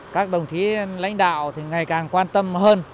các đồng chí lãnh đạo thì ngày càng quan tâm hơn